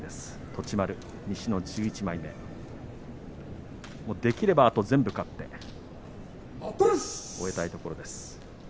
栃丸西の１１枚目できればあと全部勝って終えたいところです。